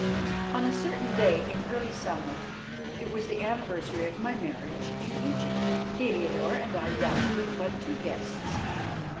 On a certain day in early summer it was the anniversary of my marriage in Egypt Heliodore and I had dined with but two guests.